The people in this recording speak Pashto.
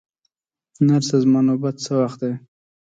نرسه، زما نوبت څه وخت دی؟